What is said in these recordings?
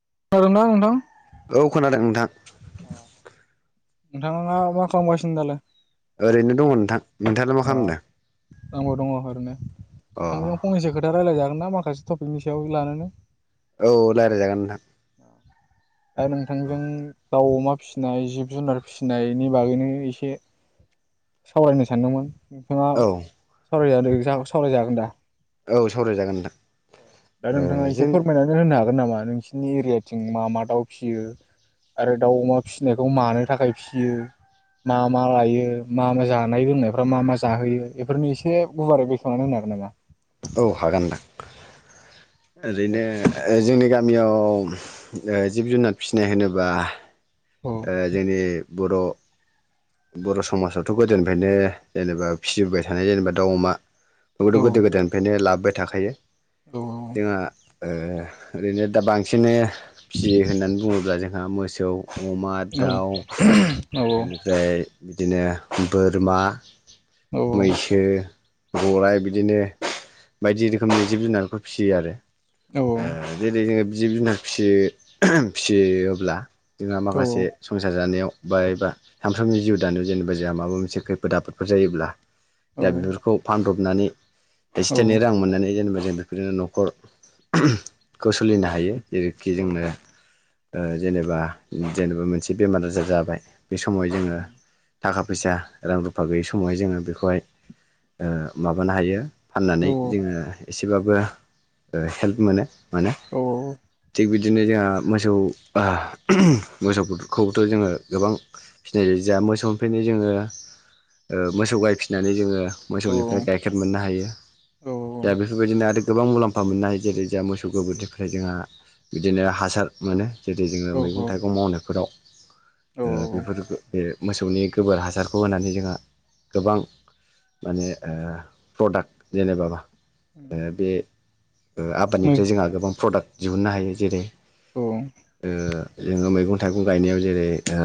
[unintelligible] औ खोनादों नोंथां। नोंथां मा खामगासिनो दालाय? ओरैनो दङ, नोंथां। नथाङाल मा अ खालामदों? आंबो दङ ओरैनो अ नोंथांजों फंनैसो खोथा रायलायजागोन माखासे टपिकनि सायाव लानोनो औ रायज्लायजागोन नोंथां दा नोंथांजों दाउ अमा फिसिनाय जिब जुनार फिसिनायनि बागैनो एसे सावरायनो सानदोंमोन। नोंथाङा औ सावराय सावरायजागोन दा? औ सावरायजागोन नोंथां। दा ओ नोंथाङा एसे जों फोरमायनानै होनो हागोन हागोन नामा नोंसोरनि एरियाथिं मा मा दाउ फिसियो आरो दाउ अमा फिसिनायखौ मानो थाखाय फिसियो मा मा लायो मा मा जानाय लोंनायफ मा मा जाहोयो बेफोरनो एसे गुवारै बेखेवनानै होनो हागोन नामा? औ हागोनदां दे ओरैनो जोंनि गामि गामियाव जिब जुनार फिसिनाय होनोब्ला औ ओ जेनि बर बर समाजावथ गोदोनिफ्रायनो जेनेबा फिसिबोबाय थानाय जेनेबा दाउ अमा बेखौथ गोदो गोदायनिफ्रायनो लाबोबाय। थाखायो जोंहा ओ ओरैनो दा बांसिन फिसियो होननानै बुङोब्ला जोंहा मोस जौ। अमा दाउ इनिफ्राय बिदिनो बोरमा। मैसो। गराइ बिदिनो बायदि रोखोमनि जिब जुनारखौ फियो आरो। ओ जेरै जोङो जिब जुनार फि-फियोब्ला जोंहा माखासे संसार जानायाव बायबा सानफ्रोमनि जिउ दानायाव जेनेबा जोंहा माबा मोनसे खैफोद आफोदफोर जायोब्ला। दा बेफोरखौ पान्द होननानै थाइसे थाइनै रां मोननानै जेनेबा जों बेफोरनो नखरखौ सोलिनो हायो। जेरैखि जोंनो ओ जेनेबा जेनेबा मोनसे बेमार आजार जाबाय। बे समाव जोङो थाखा फैसा रां रुफा गैयि समावहाय जोङो बेखौहाय ओ माबानो हायो। फाननानै जोङो एसेबाबो ओ हेल्प मोनो। मोनो थिग बिदि बिदिनो जोंहा मोसौ ओहा [unintelligible] मोसौखौबोथ जोङो गोबां फिनाय जायो जोंहा मोसौनिफ्रायनो जोङो ओ मोसौ गाय फिनानै जोङो मोसौनिफ्राय गाइखेर मोननो हायो। दा बेफोरबायदिनो आरो गोबां मुलाम्फा मोननो हायो। जेरै जोंहा मोसौ गोबोरनिफ्राय जोंहा बिदिनो हासार मोनो। जेरै जोङो खुंथाइखौ मावनायफोराव ओ बेफोर बे मोसौनि गोबोर हासारखौ होनानै जोंहा गोबां माने ओ प्रडाक्ट जेनेबा ओ बे ओ आबादनिफ्राय जोंहा गोबां प्रडाक्ट दिहुननो हायो। जेरै ओ मैगं थाइगं गायनायाव जेरै ओ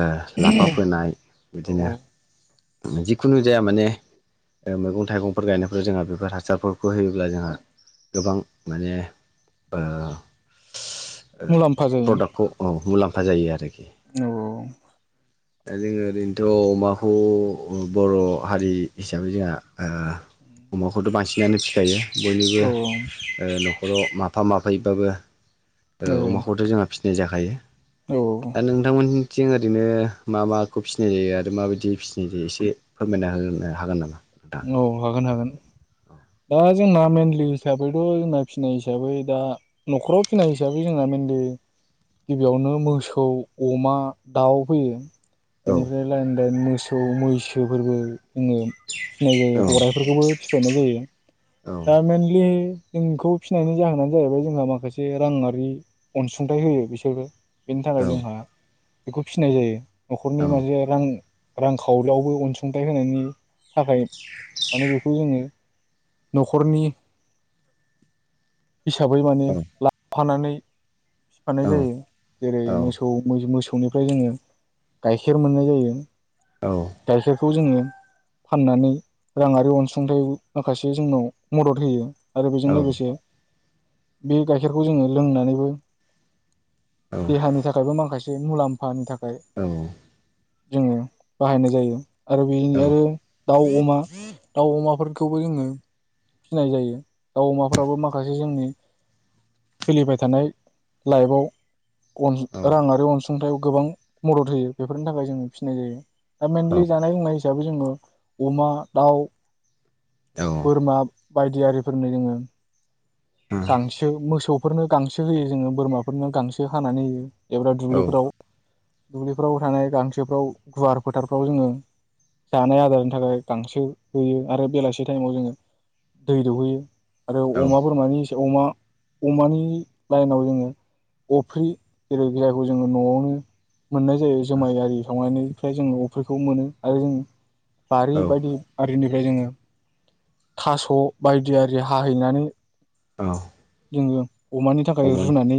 लाफा फोनाय बिदिनो जिखुनु जाया माने ओ मैगं थाइगंफोर गायनायफोराव जोंहा बेफोर हासारफोरखौ होयोब्ला जोंहा गोबां माने ओ ओ मुलाम्फा जायो प्रडाक्टखौ औ। मुलाम्फा जायो आरोखि। औ। दा जोङो ओरैनोथ' अमाखौ ओ बर' हारि हिसाबै जोंहा ओ अमाखौथ' बांसिन [unintelligible] फिखायो। औ बयनिबो ओ न 'ख ख‌राव माथाम माब्रैबाबो औ अमाखौथ' जोंना फि बे जाखायो। औ दा नोंथांमोन थिं ओरैनो मा माखौ फिसिनाय जायो आरो माबायदि फिसिनाय जायो एसे फोरमायना होनो हागोन नामा? नोंथां? औ हागोन हागोन। दा जोंना मेनलि हिसाबैथ‌' जोंना फिनाय हिसाबै दा न'खराव फिनाय हिसाबै जोंना मेनलि गिबियावनो मोसौ अमा दाउ फैयो। औ बेनिफ्राय लाइन लाइन मोसौ। मोसौ मैसोफोरबो जोङो फिनाय जायो औ गराइफोरखौबो फिफायनाय जायो औ दा मेनलि - - जोंखौ फिनायनि जाहोनानो जाहैबाय जोंहा माखासे राङआारि अनसुंथाइ होयो बिसोरबो। बेनि थाखाय औ जोंहा बेखौ फिसिनाय जायो। नखरनि औ मोनसे रां रांखावरियावबो अनसुंथाइ होनायनि थाखाय माने बेखौ जोङो न 'खरनि हिसाबै माने लाफानानै बिफानाय औ जायो जेरै मोसौ मोसौ निफ्राय जोङो गाइखेर मोननाय जायो। औ। खौ जोङो फाननानै राङारि अनसुंथायाइ माखासे जोंनाव मदद होयो। आरो बेजों लोगोसे बे गाइखेरखौ जोङो लोंनानैबो देहानि थाखायबो माखासे मुलाम्फानि थाखाय औ जोङो बाहायनाय जायो। आरो बेनि औ आरो दाउ अमा दाउ अमाफोरखौबो जोङो फिनाय जायो। दाउ अमाफोराबो माखासे जोंनि सोलिबाय थानाय लाइबआव अन राङारि अनसुंथायाव गोबां मदद होयो बेफोरनि थाखाय जोङो फिनाय जायो। दा मेनलि जानाय लोंनाय हिसाब बे जोङो अमा, दाउ बोरमा बायदि आरिफोरनि जोङो गांसो मोसौ फोरनो गांसो होयो जोङो बोरमाफोरनो गांसो हानानै होयो। एब्रा दुब्लिफोराव दुब्लिफ्राव थानाय गांसोफ्राव गुवार फोथारफ्राव जोङो जानाय आदार थाखाय गांसो होयो आरो बेलासि टाइमाव जोङो दै दौहैयो। आरो अमा बोरमानि अमा अमानि लाइनाव जोङो अफ्रि जेरै जि जायखौ जोङो नआवनो मोननाय जायो जुमाय आरि सावनानै। फ्राय जोंङो अफ्रिखौ मोनो आरो जोङो बारि बायदि आथ बेनिफ्राय जोङो थास बायदि आरि हाहैनानै औ जोङो अमानि थाखाय रुनानै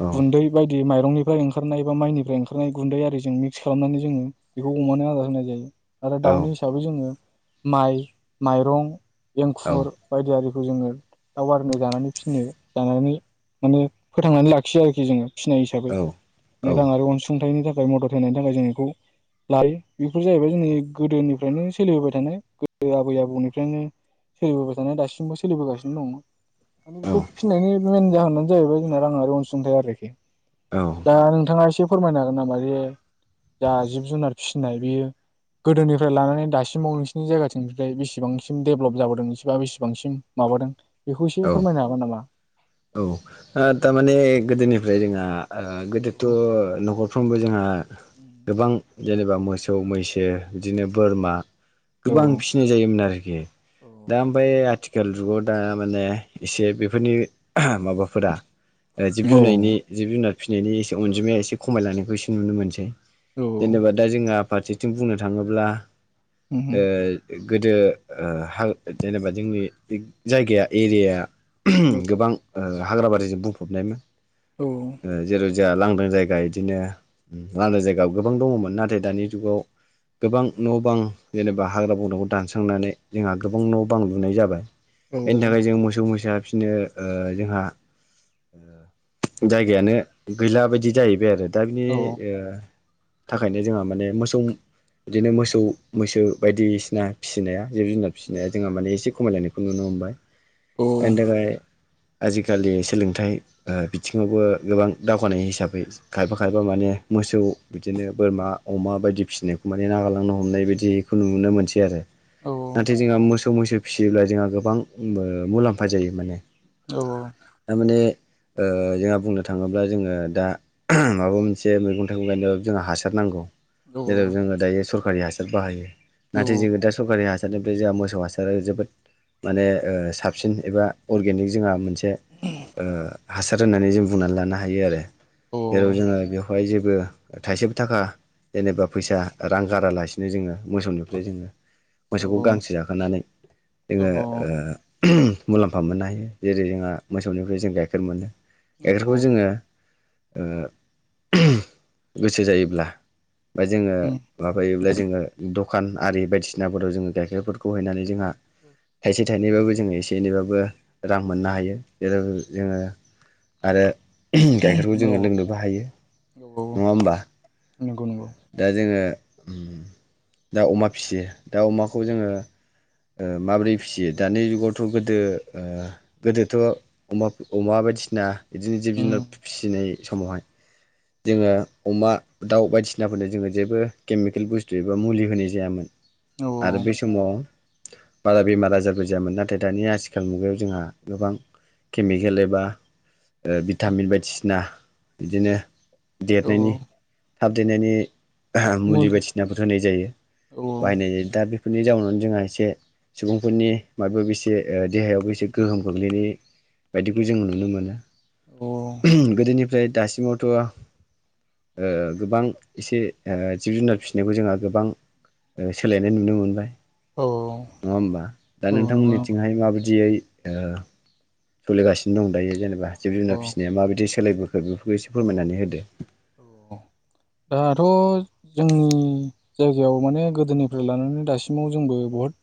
औ गुन्दै बायदि माइ रंनिफ्राय ओंखारनाय बा माइनिफ्राय ओंखारनाय गुन्दै आरिजों मिक्स खालामनानै जोङो बेखौ अमानो आदार होनाय जायो। आरो औ दाउनि हिसाबै जोङो माइ माइरं औ एंखुर बायदि आरि रु जोङो दावबार नो जानानै फिनो जानानै माने फोथांनानै लाखियो आरोखि जोङो। फिनाय हिसाबै औ औ रांआरि अनसुंथाइनि था जाय मदद होनायनि थाखाय जों बेखौ लायो। बेफोर जाहैबाय जोंनि गोदोनिफ्रायनो सोलिबोबाय थानाय गोदो आबै आबौनिफ्रायनो सोलिबोबाय थानाय दासिमबो सोलिबोगासिनो दं। माने बेखौ फिनायनि मेेन जाहोनानो जाहैबाय जोंना राङारि अनसुंथाइ आरोखि औ दा नोंथाङा एसे फोरमायनो हागोन नामा जे जा जिब जुनार फिसिनाय बियो गोदोनिफ्राय लानानै दासिमाव नोंसोरनि जायगाथिंनिफ्राय बेसेबांसिम डेभेलप जाबोदों एसेबाबो बेसेबांसिम माबादों बेखौ एसे फोरमायनो हागोन नामा? औ ओ थारमाने गोदोनिफ्राय जोंहा ओ औ गोदोथ न' फ्रोमबो जोंहा गोबां जेनेबा मोसौ मैसो दे बिदिनो बोरमा औ गोबां फिसिनाय जायोमोन आरोखि दा ओमफाय आथिख केल जुगाव दा माने एसे बेफोरनि माबाफोरा ओ जिब जुनायनि जिब जुनार फिनायनि एसे अनजिमाया एसे खमाय लानायखौ एसे नुनो मोनसै औ जेनेबा दा जोंहा फारसेथिं बुंनो थाङोब्ला औ ओ गोदो ओ हा जेनेबा जोंनि जायगाया एरियाया औ गोबां ओ हाग्राबारिजों बुंफबनायमोन औ औ जाहा लांदां जायगा इदिनो लांदां जायगायाव गोबां दङमोन नाथाय दानि जुगाव गोबां न बां जेनेबा हाग्रा बंग्राखौ दानस्रांनानै जोंहा गोबां न बां लुनाय जाबाय बेनि थाखाय जों मोसौ मै फसा बि [unintelligible] जोंहा जायगायानो गैला बायदि जाहैबाय आरो दा बिनि औ ओ थाखायनो जोंहा माने मोसौ बिदिनो मोसौ मैसो बायदिसिना फिसिनाया जिब जुनार फिसिनाया औ जोंहा माने एसे खमायलायनायखौ नुनो मोनबाय। एनि थाखाय आजिखालि सोलोंथाइ ओ बिथिङावबो गोबां दावगानाय हिसाबै खायफा खायफा माने मोसौ बिदिनो बोरमा अमा बायदि फिसिनायखौ माने नागारलांनो हमनाय बायदिखौ नुनो मोनसै आरो नाथाय जोंहा मोसौ मैसो फिसियोब्ला जोंहा गोबां ओ मुलाम्फा जायो माने औ औ थारमाने ओ जोंहा बुंनो थाङोब्ला जोङो दा माबा मोनसे मैगं थाइगं गायनाय जोंहा हासार नांगौ जेराव जोङो दायो सरकारि हासार बाहायो। नाथाय जों दा सरकारि हासो हासारनिफ्राय जोंहा मोसौ हासारा जोबोद माने ओ साबसिन एबा अरगेनिक जोंहा मोनसे ओ हासार होननानै जों बुंनानै लानो हायो आरो जेराव जोङो बेवहाय जेबो थाइसेबो थाखा जेनेबा फैसा रां गारालासिनो जोङो मोसौनिफ्राय जोङो मोसौखौ औ गांसो जाहोनानै औ जोङो ओ मुलाम्फा मोननो हायो। जेरै जोंहा मोसौनिफ्राय जों गाइखेर मोनो औ गाइखेरखौ जोङो ओ गोसो जायोब्ला बा जोङो माबायोब्ला जोङो दखान आरि बायदि सिनाफोराव जोङो गाइखेरफोरखौ हैनानै जोंहा थाइसे थाइनैबाबो जोङो एसे एनैबाबो रां मोननो हायो जेरै जोङो आरो गाइखेरखौ जोङो लोंनोबो हायो औ नङा होमबा नंगौ नंगौ दा जोङो दाव अमा फिसियो दाव अमाखौ जोङो ओ माबोरै फिसियो दानि जुगावथ गोदो ओ गोदोथ अमा अमा बायदिसिना बिदिनो जिब जुनार फिसिनाय समावहाय जोङो अमा दाउ बायदिसिनाफोरनो जोङो जेबो केमिकेल बुस्थु एबा मुलि होनाय जायामोन। औ आरो बै समाव बारा बेमार आजारबो जायामोन नाथाय दानि आसिखाल मुगायाव जोंहा गोबां केमिकेल एबा ओ भिटामिन बायदिसिना बिदिनो औ देतनायनि थाब देतनायनि मुलि बायदिसिनाफोर होनाय जायो औ बाहायनाय जायो दा बे फोरनि जाउनावनो जोंहा एसे सुबुंफोरनि माबा माबि एसे देहायावबो एसे गोहोम गोग्लैनाय बायदिखौ जों नुनो मोनो। औ उम गोदोनिफ्राय दासिमावथ ओ गोबां इसे ओ जिब जुनार फिसिनायखौ जोंहा गोबां ओ सोलायनाय नुनो मोनबाय। औ नङा होमबा? दा नंगौ नंगौ नोंथांमोननिथिंहाय माबायदियै ओ सोलिगासिनो दं दायो जेनेबा जिब औ जुनार औ फिसिनाया माबायदि सोलायबोखो बेफोरखौ एसे फोरमायनानै होदो। औ दाथ जोंनि जायगायाव माने गोदोनिफ्राय लानानै दासिमाव जोंबो बहुद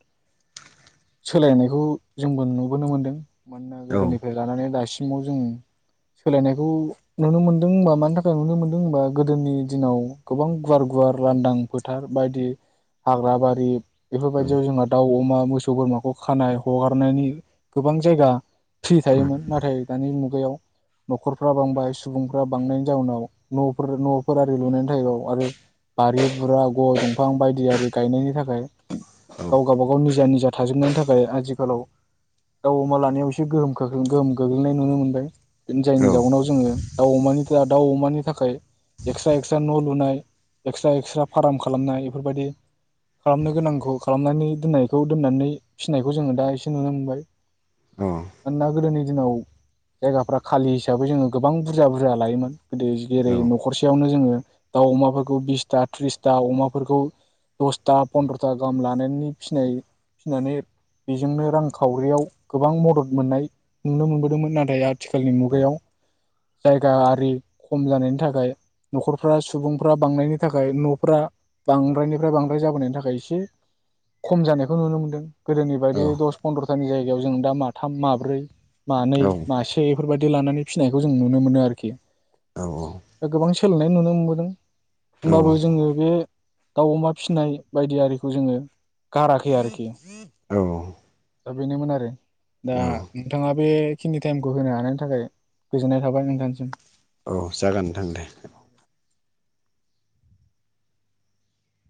सोलायनायखौ जोंबो नुबोनो मोनदों। मानोना औ गोदोनिफ्राय लानानै दासिमाव जों सोलायनायखौ नुनो मोनदों होनबा मानि थाखाय नुनो मोनदों होनबा गोदोनि दिनाव गोबां गुवार गुवार लांदां फोथार बायदि हाग्रा बारि औ बेफोरबायदियाव जोंहा दाउ अमा मो सौ बोरमाखौ खानाय हगारनायनि गोबां जायगा फ्रि औ थायोमोन नाथाय दानि मुगायाव नखरफ्रा बांबाय सुबुंफ्रा बांनायनि जाउनाव नफोर नफोर आरि लुनायनि [unintelligible] आरो बारि बुरा गय दंफां बायदि आरि गायनायनि थाखाय औ गाव गावबा गाव निजा निजा थाजोबनायनि थाखाय आथिखालाव दाउ अमा लानायाव एसे गोहोम खो गोहोम गोग्लैनाय नुनो मोनबाय औ जायनि जाउनाव जोङो दाउ अमानि दाउ अमानि थाखाय एक्सट्रा एक्सट्रा न लुनाय एक्सट्रा एक्सट्रा फाराम खालामनाय बेफोरबायदि खालामनो गोनांखौ खालामनानै दोननायखौ दोननानै फिसिनायखौ जोङो दा एसे नुनो मोनबाय मानोना गोदोनि दिनाव जायगाफ्रा खालि हिसाबै जोङो गोबां बुरजा बुरजा लायोमोन गोदो जेरै औ नखरसेयावनो जोङो दाउ अमाफोरखौ बिसथा थ्रिसथा अमाफोरखौ दसथा फन्द्रथा गाहाम लानानै फिसिनाय फिनानै बेजोंनो रांखावरियाव गोबां मदद मोननाय नुनो मोनबोदोंमोन नाथाय आथिखालनि मुगायाव जायगा आरि खम जानायनि थाखाय नखरफ्रा सुबुंफ्रा बांनायनि थाखाय नफ्रा बांद्रायनिफ्राय बांद्राय जाबोनायनि थाखाय एसे खम जानाय खौ नुनो मोन्दों। गोदोनि औ बायदि दस फन्द्र तानि जायगायाव जों दा माथाम माब्रै मानै मासे बेफोरबायदि लानानै फिनायखौ जों नुनो मोनो आरोखि गोबां सोलायनाय नुनो मोनबोदों औ होमबाबो जोङो बे दाउ अमा फिसिनाय बायदि आरिखौ जोङो गारा खै आरोखि औ औ दा बेनोमोन आरो दा औ नोंथाङा बेखिनि टाइमखौ होनो हानायनि थाखाय गोजोननाय थाबाय नोंथांसिम। औ जागोन नोंथां दे।